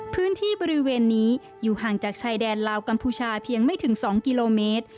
พื้นที่บริเวณนี้อยู่ห่างจากชายแดนลาวกัมพูชาเพียงไม่ถึง๒กิโลเมตร